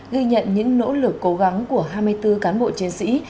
ghi nhận những nỗ lực cố gắng của hai mươi bốn cán bộ chiến sĩ